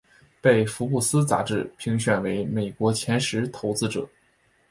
被福布斯杂志评选为美国前十投资者。